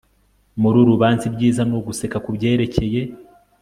Muri uru rubanza ibyiza ni uguseka kubyerekeye